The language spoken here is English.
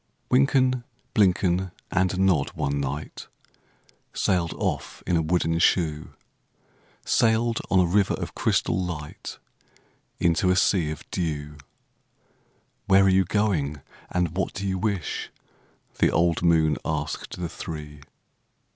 Wynken, Blynken, and Nod one night Sailed off in a wooden shoe,— Sailed on a river of crystal light Into a sea of dew. "Where are you going, and what do you wish?" The old moon asked the three.